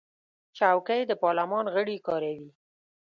چوکۍ د پارلمان غړي کاروي.